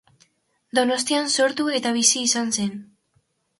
Donostian sortu eta bizi izan zen.